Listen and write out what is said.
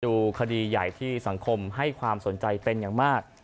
คดีใหญ่ที่สังคมให้ความสนใจเป็นอย่างมาก